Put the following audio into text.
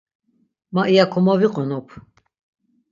Ma iya komoviqonop.